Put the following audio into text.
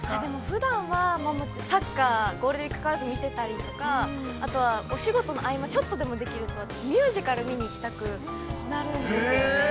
◆ふだんは、サッカーゴールデンウイークにかかわらず見てたりとかあとは、お仕事の合間ちょっとでもできるとミュージカル見に行きたくなるんですよね。